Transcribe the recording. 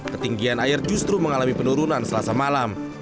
ketinggian air justru mengalami penurunan selasa malam